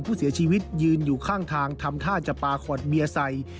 ผู้เสียชีวิตยืนอยู่ข้างทางทำท่าจะปลาขวดเบียร์ใส่